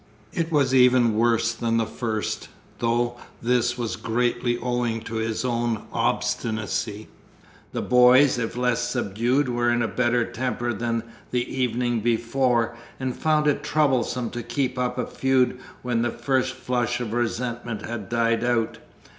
It was even worse than the first, though this was greatly owing to his own obstinacy. The boys, if less subdued, were in better temper than the evening before, and found it troublesome to keep up a feud when the first flush of resentment had died out.